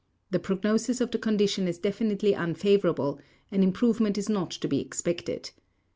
The prognosis of the condition is definitely unfavorable, an improvement is not to be expected.